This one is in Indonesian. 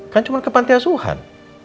kan cuma ke panti asuhan